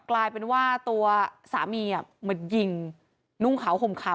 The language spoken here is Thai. กลายเป็นว่าตัวสามีอะเหมือนยิงนุ้งเหล่าหมือเผา